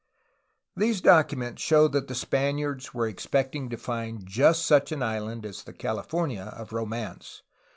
These documents show that the Spaniards were expecting to find just such an island as the "California" of romance.